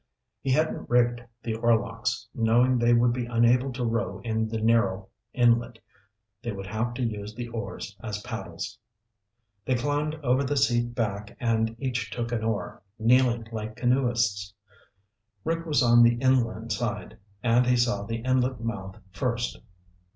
He hadn't rigged the oarlocks, knowing they would be unable to row in the narrow inlet. They would have to use the oars as paddles. They climbed over the seat back and each took an oar, kneeling like canoeists. Rick was on the inland side, and he saw the inlet mouth first.